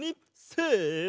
せの！